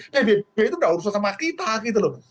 pbb itu gak urus sama kita gitu loh